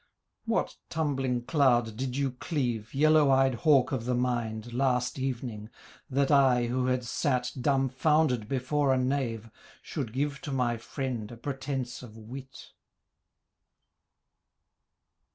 'What tumbling cloud did you cleave, Yellow eyed hawk of the mind, Last evening? that I, who had sat Dumbfounded before a knave, Should give to my friend A pretence of wit.'